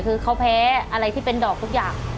คือเขาแพ้อะไรที่เป็นดอกทุกอย่าง